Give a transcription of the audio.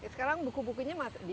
sekarang buku bukunya mana